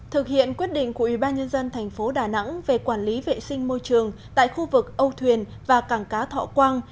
thực hiện quyết định của ủy ban nhân dân thành phố đà nẵng về quản lý vệ sinh môi trường tại khu vực âu thuyền và cảng cá thọ quang